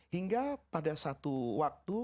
hingga pada satu waktu